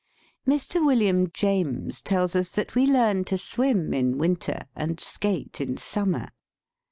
Mr. William James tells us that we learn to swim in winter and skate in summer.